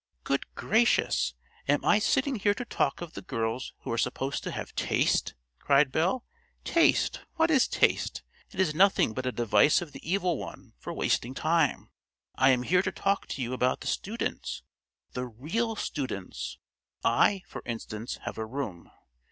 "Good gracious! am I sitting here to talk of the girls who are supposed to have taste?" cried Belle. "Taste, what is taste? It is nothing but a device of the Evil One for wasting time. I am here to talk to you about the students, the real students. I, for instance, have a room.